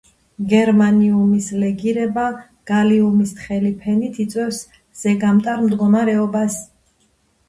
გერმანიუმის ლეგირება გალიუმის თხელი ფენით იწვევს ზეგამტარ მდგომარეობას.